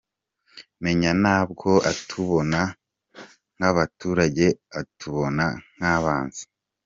menya ntabwo atubona nk’abaturage atubona nk’abanzi .